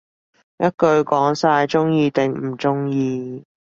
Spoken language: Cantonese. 一句講晒，鍾意定唔鍾意